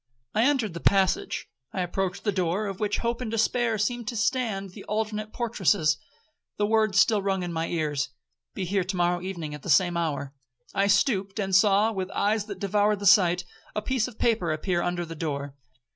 I entered the passage. I approached the door, of which hope and despair seemed to stand the alternate portresses. The words still rung in my ears. 'Be here to morrow evening at the same hour.' I stooped, and saw, with eyes that devoured the sight, a piece of paper appear under the door.